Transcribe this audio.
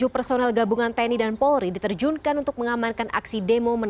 tujuh personel gabungan tni dan polri diterjunkan untuk mengamankan aksi demo